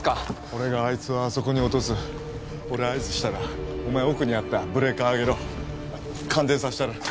俺があいつをあそこに落とす俺合図したらお前奥にあったブレーカー上げろ感電さしたる